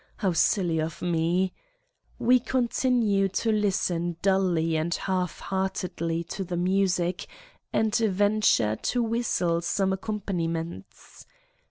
How silly of me ! We continue to listen dully and half heartedly to the music and venture to whistle som i accom paniments.